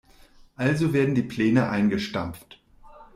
Also werden die Pläne eingestampft.